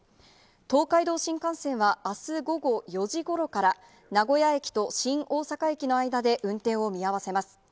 東海道新幹線は、あす午後４時ごろから、名古屋駅と新大阪駅の間で運転を見合わせます。